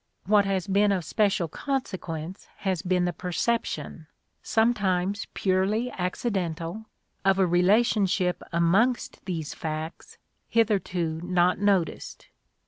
What has been of special consequence has been the perception, sometimes purely accidental, of a relationship amongst these facts hitherto not noticed.